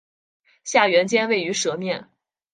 下原尖位于舌面。